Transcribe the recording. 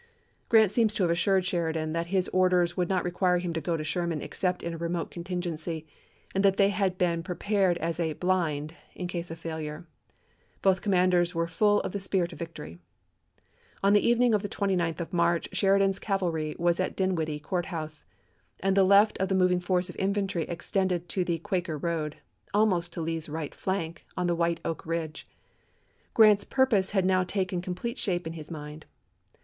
Grant seems to have assured Sheridan that his orders would not require him to go to Sherman except in a remote contingency, and that they had been pre pared as a " blind " in case of failure. Both com manders were full of the spirit of victory. On the evening of the 29th of March, Sheridan's cavalry was at Dinwiddie Court House, and the left of the moving force of infantry extended to the Quaker road — almost to Lee's right flank on the White Oak Ridge. Grant's purpose had now taken com plete shape in his mind.